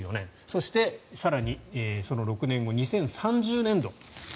そして、更にその６年後２０３０年度。